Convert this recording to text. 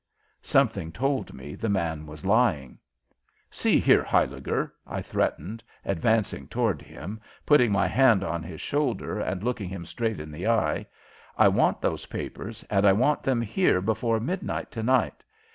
Something told me the man was lying. "See here, Huyliger!" I threatened, advancing toward him, putting my hand on his shoulder and looking him straight in the eye, "I want those papers and I want them here before midnight to night.